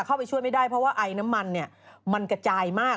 เข้าไปช่วยไม่ได้เพราะว่าไอน้ำมันเนี่ยมันกระจายมาก